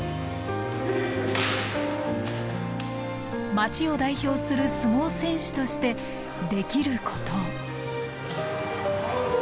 町を代表する相撲選手としてできることを。